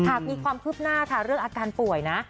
หากมีความคืบหน้าค่ะเรื่องอาการป่วยนะ